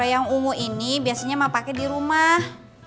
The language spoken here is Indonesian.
kalo yang ungu ini biasanya emak pake di rumah